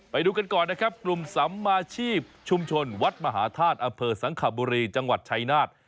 ไปดูกันก่อนนะครับกลุ่มสัมมาชีพชุมชนวัดมหาธาตุอำเภอสังขบุรีจังหวัดชายนาฏ